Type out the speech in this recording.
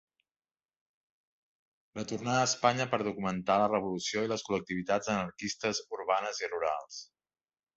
Retornà a Espanya per documentar la revolució i les col·lectivitats anarquistes urbanes i rurals.